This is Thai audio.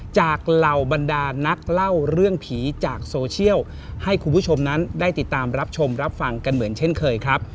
เหล่าบรรดานักเล่าเรื่องผีจากโซเชียลให้คุณผู้ชมนั้นได้ติดตามรับชมรับฟังกันเหมือนเช่นเคยครับ